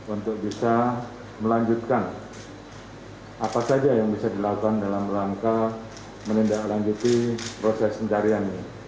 untuk bisa melanjutkan apa saja yang bisa dilakukan dalam rangka menindaklanjuti proses pencarian ini